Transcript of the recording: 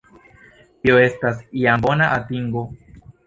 Tio estas jam bona atingo.